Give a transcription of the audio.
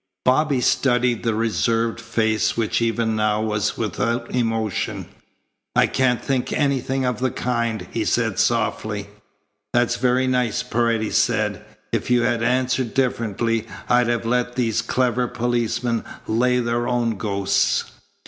Bobby studied the reserved face which even now was without emotion. "I can't think anything of the kind," he said softly. "That's very nice," Paredes said. "If you had answered differently I'd have let these clever policemen lay their own ghosts."